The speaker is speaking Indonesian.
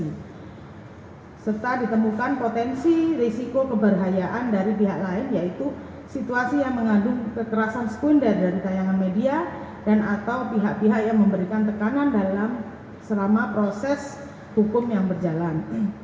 ini serta ditemukan potensi risiko keberhayaan dari pihak lain yaitu situasi yang mengandung kekerasan sekunder dari kayangan media dan atau pihak pihak yang memberikan tekanan dalam selama proses hukum yang berjalan